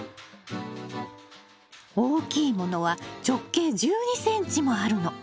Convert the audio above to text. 大きいものは直径１２ｃｍもあるの。